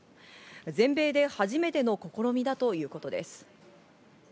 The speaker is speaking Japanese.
全米で初めての試みだということです。